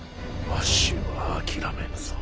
わしは諦めぬぞ。